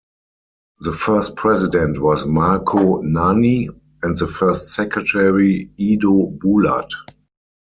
The first president was Marko Nani and the first secretary Edo Bulat.